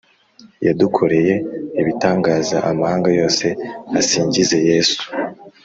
yadukoreye ibitangaza amahanga yose asingize yesu !